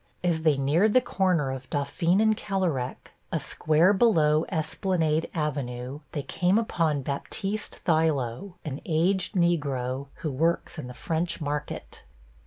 As they neared the corner of Dauphine and Kerlerec, a square below Esplanade Avenue, they came upon Baptiste Thilo, an aged Negro, who works in the French Market.